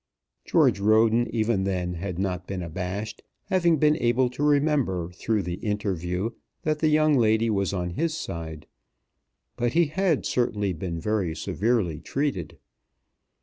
George Roden even then had not been abashed, having been able to remember through the interview that the young lady was on his side; but he had certainly been severely treated.